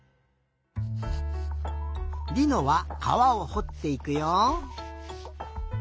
りのはかわをほっていくよ。